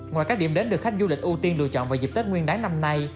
ngoài các điểm đến được khách du lịch ưu tiên lựa chọn vào dịp tết nguyên đáng năm nay